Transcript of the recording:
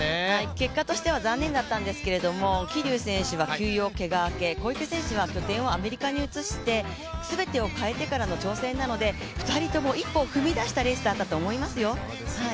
結果としては残念だったんですけど桐生選手が休養、けが、小池選手は拠点をアメリカに移してすべてを変えてからの挑戦なので、２人とも一歩踏み出したレースだったと思いますよ。